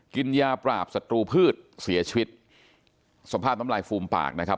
กินยาปราบศัตรูพืชเสียชีวิตสภาพน้ำลายฟูมปากนะครับ